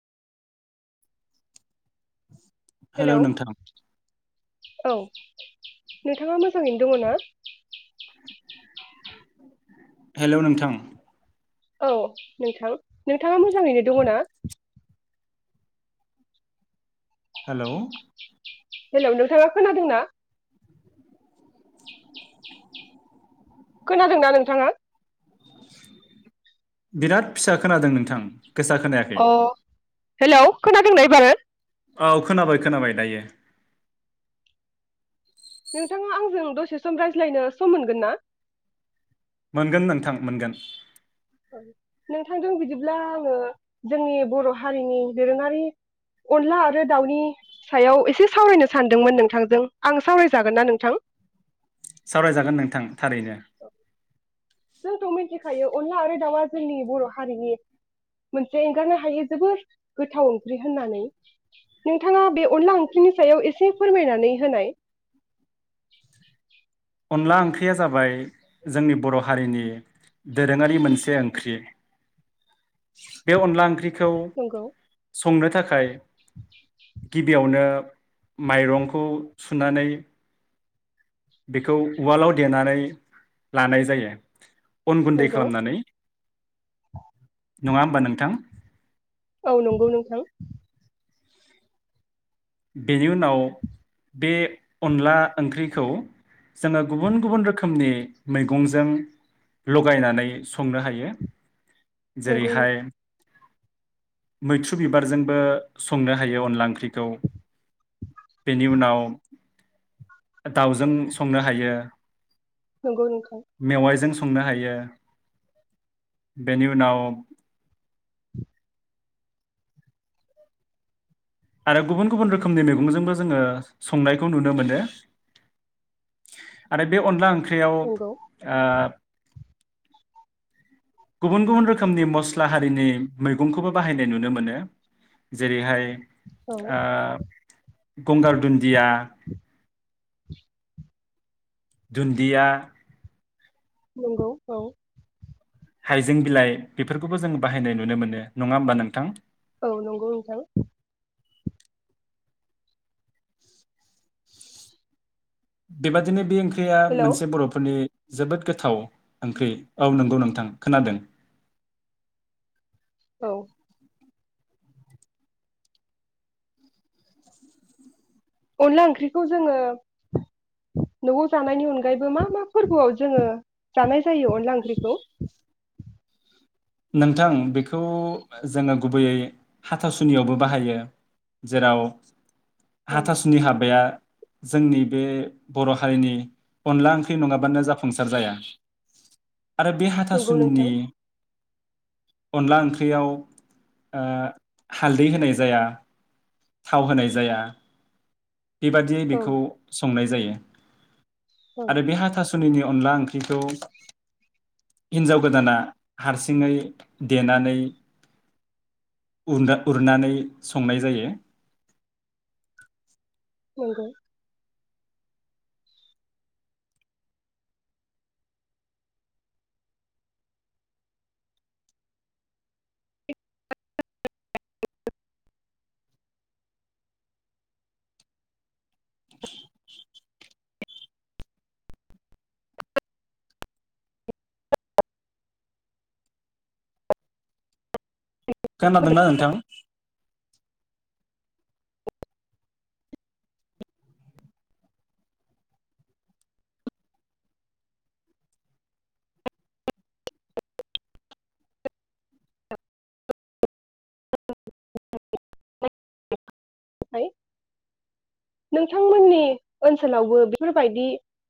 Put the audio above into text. [inaudible] Hello hello नोंथां औ नोंथाङा मोजाङैनो दङ ना? हेल' नोंथां औ, नोंथां नोंथाङा मोजाङैनो दङ ना? हेलौ हेलौ नोंथांङा खोनादों ना? खोनादोंना नोंथाङा? बिराद फिसा खोनादों नोंथां गोसा खोनायाखै अ हेलौ खोनादोंना एबारो? औ खोनाबाय खोनाबाय दायो नोंथाङा आंजों दसे सम रायज्लायनो सम मोनगोन ना? मोनगोन नोंथां मोनगोन नोंथांजों बिदिब्ला आंङो जोंनि बर हारिनि दोरोंङारि अनला आरो दाउनि सायाव एसे सावरायनो सानदोंमोन नोंथांजों आं सावरायजागोन ना नोंथां? सावरायजागोन नोंथां थारैनो जोंथ' मिथिखायो अनला आरो दाउआ जोंनि बर हारिनि मोनसे एंगारनो हायै जोबोर गोथाव ओंख्रि होननानै। नोंथाङा बे अनला ओंख्रिनि सायाव एसे फोरमायनानै होनाय अनला ओंख्रिया जाबाय जोंनि बर हारिनि दोरोंङारि मोनसे ओंख्रि बे अनला ओंख्रि खौ नंगौ संनो थाखाय गिबियावनो माइरंखौ सुनानै बेखौ उवालाव देनानै लानाय जायो अन गुन्दै नंगौ खालामनानै नंङा होमबा नोंथां औ नंगौ नोंथां बेनि उनाव बे अनला ओंख्रिखौ जोंङो गुबुन गुबुन रोखोमनि मैगंजों लगायनानै संनो हायो जेरै नंगौ हाय मैथ्रु बिबारजोंबो संनो हायो अनला ओंख्रिखौ बेनि उनाव दाउजों संनो हायो नंगौ नोंथां खुंनो हायो बेनि उनाव आरो गुबुन गुबुन रोखोमनि मैगंजोंबो जोंङो संनायखौ नुनो मोनो आरो बे अनला ओंख्रि फ्रियाव ओ नंगौ गुबुन गुबुन रोखोमनि मस्ला हारिनि मैगंखौबो बाहायनाय नुनो मोनो जेरैहाय औ ओ गंगार दुन्दिया दुन्दिया नंगौ औ हाइजें बिलाइ बेफोरखौबो जों बाहायनाय नुनो मोनो नंङा होमबा नोंथां औ नंगौ नोंथां बेबायदिनो बे ओं फ्रिया हेलौ मोनसे बरफोरनि जोबोद गोथाव ओंख्रि औ नंगौ नोंथां खोनादों [inaudible] औ अनला ओंख्रिखौ जोंङो नआव जानायनि अनगायैबो मा मा फोरबोआव जोंङो जानाय जायो अनला ओंख्रिखौ नोंथां बेखौ जोंङो गुबैयै हाथासुनियावबो बाहायो जेराव औ हाथासुनि हाबाया जोंनि बे बर' हारिनि अनला ओंख्रि नङाबानो जाफुंसार जाया आरो बे नंगौ नोंथां हाथासुनिनि अनला ओंख्रियाव ओ हालदै होनाय जाया थाव होनाय जाया बेबादियै औ बेखौ संनाय जायो औ आरो बे हाथास सुनिनि अनला ओंख्रिखौ हिन्जाव गोदाना हारसिङै देनानै उरना-उरनानै संनाय जायो। नोंगौ [inaudible] खोनादोंना नोंथां नोंथांमोननि ओनसोलावबो बेफोरबायदि